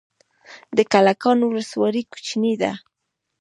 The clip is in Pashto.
د کلکان ولسوالۍ کوچنۍ ده